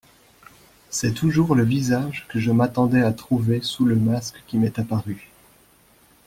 C'est toujours le visage que je m'attendais à trouver sous le masque qui m'est apparu.